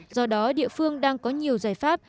do đó địa phương đang có nhiều giải pháp